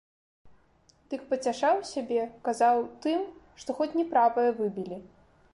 Дык пацяшаў сябе, казаў, тым, што хоць не правае выбілі.